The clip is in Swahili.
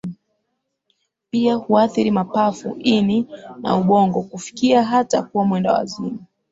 pia huathiri mapafu ini na ubongo kufikia hata kuwa mwendawazimu